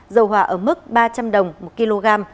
dầu hỏa ở mức ba trăm linh đồng một kg